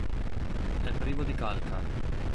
È privo di calcar.